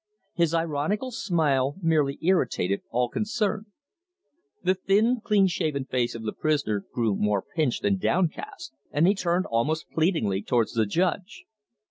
His ironical smile merely irritated all concerned. The thin, clean shaven face of the prisoner grew more pinched and downcast, and he turned almost pleadingly towards the judge.